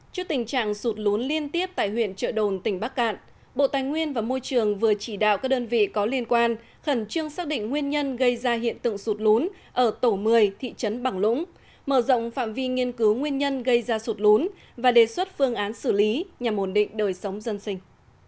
trước tình trạng sụt lún liên tiếp tại huyện trợ đồn tỉnh bắc cạn bộ tài nguyên và môi trường vừa chỉ đạo các đơn vị có liên quan khẩn trương xác định nguyên nhân gây ra hiện tượng sụt lún ở tổ một mươi thị trấn bằng lũng mở rộng phạm vi nghiên cứu nguyên nhân gây ra sụt lún và đề xuất phương án xử lý nhằm ổn định đời sống dân sinh